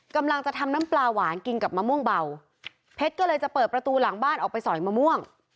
กำลังจะทำน้ำปลาหวานกินกับมะม่วงเบาเพชรก็เลยจะเปิดประตูหลังบ้านออกไปสอยมะม่วง